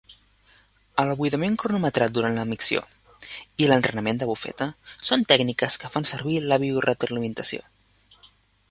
El buidament cronometrat durant la micció i l'entrenament de bufeta són tècniques que fan servir la bioretroalimentació.